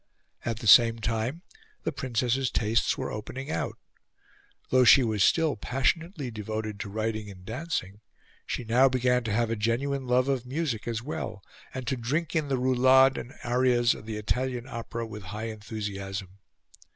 At the same time the Princess's tastes were opening out. Though she was still passionately devoted to riding and dancing, she now began to have a genuine love of music as well, and to drink in the roulades and arias of the Italian opera with high enthusiasm.